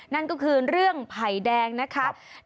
นั่นก็คือเรื่องไผ่แดงนะครับ